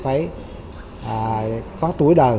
phải có tuổi đời